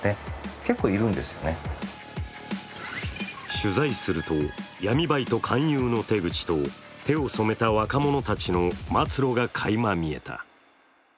取材すると、闇バイト勧誘の手口と手を染めた若者たちの末路がかいま見えた。